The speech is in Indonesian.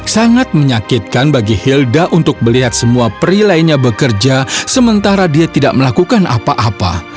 sangat menyakitkan bagi hilda untuk melihat semua peri lainnya bekerja sementara dia tidak melakukan apa apa